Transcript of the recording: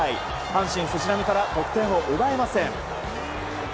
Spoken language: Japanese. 阪神、藤浪から得点を奪えません。